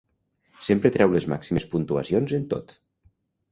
Sempre treu les màximes puntuacions en tot.